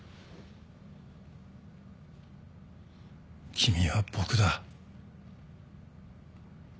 君は僕だ。